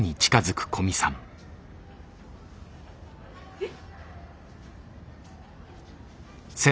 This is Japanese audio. えっ。